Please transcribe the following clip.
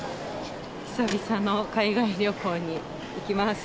久々の海外旅行に行きます。